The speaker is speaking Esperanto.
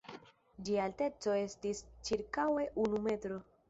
Ĝia alteco estis ĉirkaŭe unu metro.